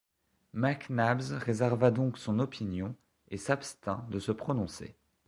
Mac Nabbs réserva donc son opinion, et s’abstint de se prononcer.